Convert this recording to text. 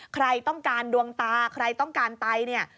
ใครต้องการดวงตาใครต้องการไตเนี่ย